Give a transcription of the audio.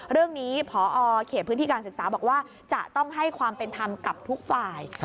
เรื่องนี้พอเขตพื้นที่การศึกษาบอกว่าจะต้องให้ความเป็นธรรมกับทุกฝ่าย